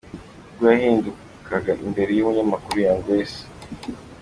Ubwo yahingukaga imbere yumunyamakuru Young Grace.